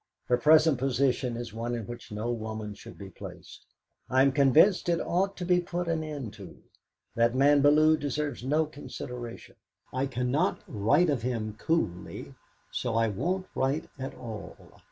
Her present position is one in which no woman should be placed; I am convinced it ought to be put an end to. That man Bellew deserves no consideration. I cannot write of him coolly, so I won't write at all.